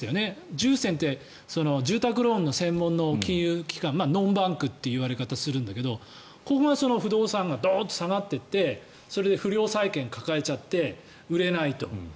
住専って住宅ローンの専門の金融機関ノンバンクという言われ方をするけどここが不動産がドーンと下がっていって不良債権を抱えちゃって売れないと。